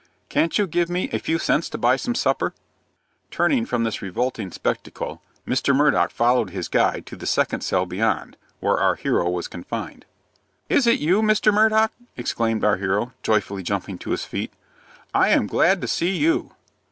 "Can't you give me a few cents to buy some supper?" Turning from this revolting spectacle, Mr. Murdock followed his guide to the second cell beyond where our hero was confined. "Is it you, Mr. Murdock?" exclaimed our hero, joyfully jumping to his feet. "I am glad to see you."